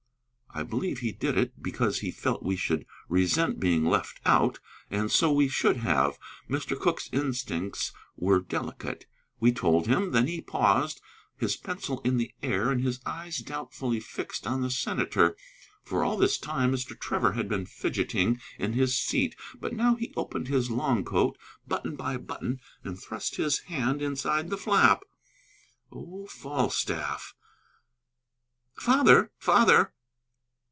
I believe he did it because he felt we should resent being left out: and so we should have. Mr. Cooke's instincts were delicate. We told him. Then he paused, his pencil in the air, and his eyes doubtfully fixed on the senator. For all this time Mr. Trevor had been fidgeting in his seat; but now he opened his long coat, button by button, and thrust his hand inside the flap. Oh, Falstaff! "Father, father!"